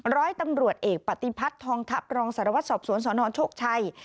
ร้อยตำรวจเอกปฏิพัฒน์ทองทัพรองสารวัตรสอบสวนสนโชคชัย